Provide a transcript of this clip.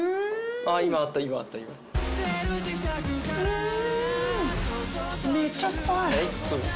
うん！